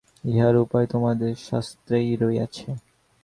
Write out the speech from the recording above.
ইহার উপায় তোমাদের শাস্ত্রেই রহিয়াছে।